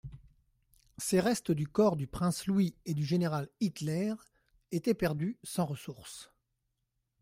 Ces restes du corps du prince Louis et du général Hitler étaient perdus sans ressource.